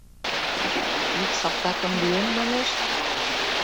«Ик салтакым лӱем» манеш?